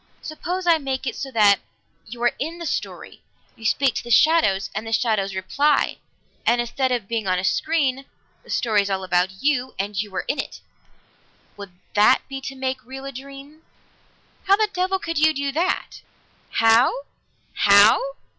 Suppose I make it so that you are in the story, you speak to the shadows, and the shadows reply, and instead of being on a screen, the story is all about you, and you are in it. Would that be to make real a dream?" "How the devil could you do that?" "How? How?